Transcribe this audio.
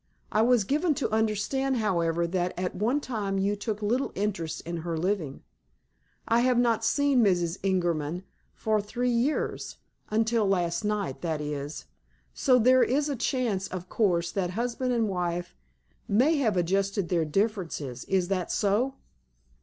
I was given to understand, however, that at one time you took little interest in her living. I have not seen Mrs. Ingerman for three years—until last night, that is—so there is a chance, of course, that husband and wife may have adjusted their differences. Is that so?"